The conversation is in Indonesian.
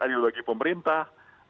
adil bagi pemerintah